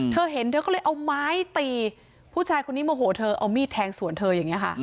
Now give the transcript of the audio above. เธอเห็นเธอก็เลยเอาไม้ตีผู้ชายคนนี้โมโหเธอเอามีดแทงสวนเธออย่างนี้ค่ะ